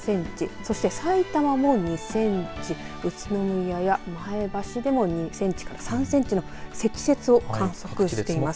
そして埼玉も２センチ、宇都宮や前橋でも２センチから３センチの積雪を観測しています。